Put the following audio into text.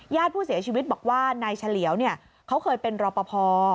ผู้เสียชีวิตบอกว่านายเฉลียวเขาเคยเป็นรอปภ